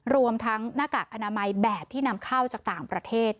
รวมทั้งหน้ากากอนามัยแบบที่นำเข้าจากต่างประเทศ